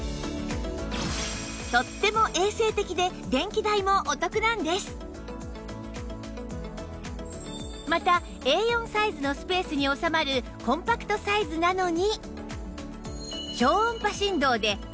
とってもまた Ａ４ サイズのスペースに収まるコンパクトサイズなのに